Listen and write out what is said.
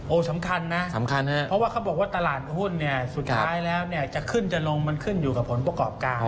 สำคัญนะสำคัญฮะเพราะว่าเขาบอกว่าตลาดหุ้นเนี่ยสุดท้ายแล้วเนี่ยจะขึ้นจะลงมันขึ้นอยู่กับผลประกอบการ